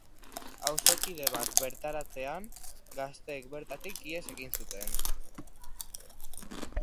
Auzokide bat bertaratzean, gazteek bertatik ihes egin zuten.